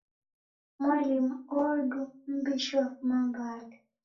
Mwalimu odu m'mbishi wafuma Mbale.